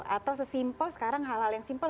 atau sesimpel sekarang hal hal yang simpel